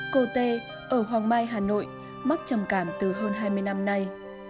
cô tê ở hoàng mai hà nội mắc trầm cảm từ hơn hai mươi năm nay